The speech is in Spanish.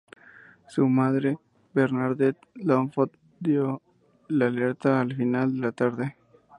Su madre, Bernadette Lafont, dio la alerta al final de la tarde.